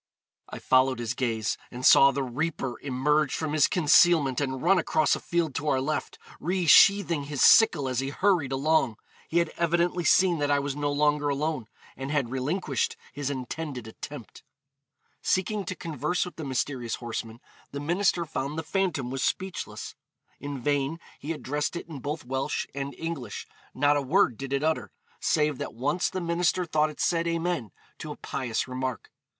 I followed his gaze, and saw the reaper emerge from his concealment and run across a field to our left, resheathing his sickle as he hurried along. He had evidently seen that I was no longer alone, and had relinquished his intended attempt.' Seeking to converse with the mysterious horseman, the minister found the phantom was speechless. In vain he addressed it in both Welsh and English; not a word did it utter, save that once the minister thought it said 'Amen,' to a pious remark.